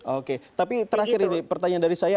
oke tapi terakhir ini pertanyaan dari saya